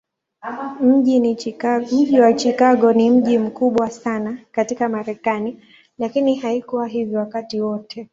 Mji wa Chicago ni mji mkubwa sana katika Marekani, lakini haikuwa hivyo wakati wote.